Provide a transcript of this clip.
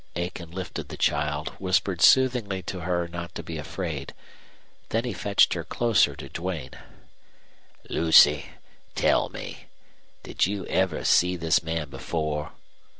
Aiken lifted the child, whispered soothingly to her not to be afraid. Then he fetched her closer to Duane. "Lucy, tell me. Did you ever see this man before?"